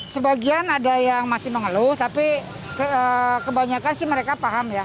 sebagian ada yang masih mengeluh tapi kebanyakan sih mereka paham ya